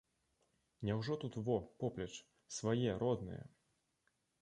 Няўжо тут во, поплеч, свае, родныя?